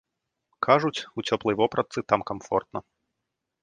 Кажуць, у цёплай вопратцы там камфортна.